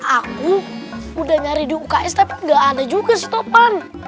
aku udah nyari di uks tapi gak ada juga stopan